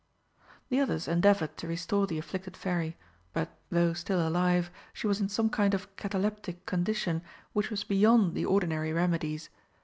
The others endeavoured to restore the afflicted Fairy, but, though still alive, she was in some kind of cataleptic condition which was beyond the ordinary remedies.